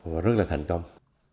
và rất là thành công